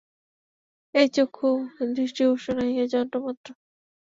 এই চক্ষু দৃষ্টির উৎস নয়, ইহা যন্ত্রমাত্র।